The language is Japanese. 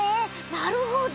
なるほど。